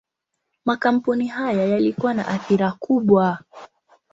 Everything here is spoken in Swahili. Makampuni haya yalikuwa na athira kubwa.